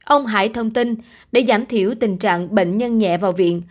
ông hải thông tin để giảm thiểu tình trạng bệnh nhân nhẹ vào viện